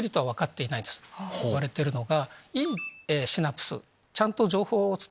いわれてるのが。